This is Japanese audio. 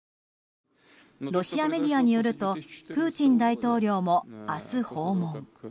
ロシアメディアによるとプーチン大統領も明日、訪問。